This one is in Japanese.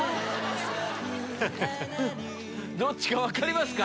どっちか分かりますか？